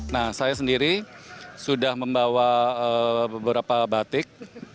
nah saya sendiri sudah membawa beberapa batik